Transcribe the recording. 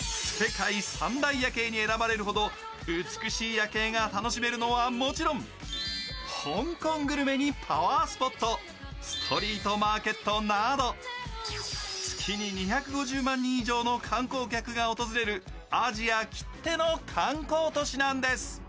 世界三大夜景に選ばれるほど美しい夜景が楽しめるのはもちろん香港グルメにパワースポット、ストリートマーケットなど月に２５０万人以上の観光客が訪れる、アジアきっての観光都市なんです。